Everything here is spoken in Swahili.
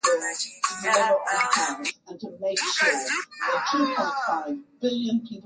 Wanyama hutibiwa magonjwa nyemelezi